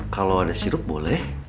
kalau ada sirup boleh